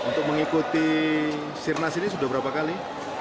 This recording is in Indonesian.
untuk mengikuti sirnas ini sudah berapa kali